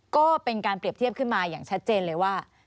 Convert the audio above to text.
ก็เป็นการเปรียบเทียบขึ้นมาอย่างชัดเจนเลยว่า